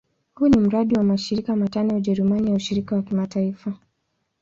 Huu ni mradi wa mashirika matano ya Ujerumani ya ushirikiano wa kimataifa.